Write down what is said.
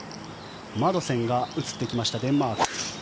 マドセンが映ってきましたデンマーク。